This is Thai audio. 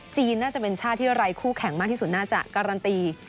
น่าจะเป็นชาติที่ไร้คู่แข่งมากที่สุดน่าจะการันตี